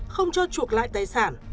không cho chuộc lại tài sản